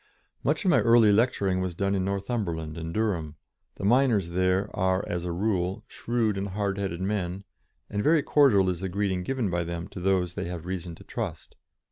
Much of my early lecturing was done in Northumberland and Durham; the miners there are, as a rule, shrewd and hard headed men, and very cordial is the greeting given by them to those they have reason to trust.